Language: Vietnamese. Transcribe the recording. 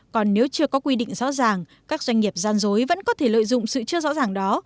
còn nếu chưa có quy định rõ ràng các doanh nghiệp gian dối vẫn có thể lợi dụng sự chưa rõ ràng đó